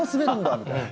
みたいな。